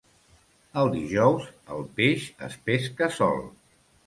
El dijous el peix es pesca sol.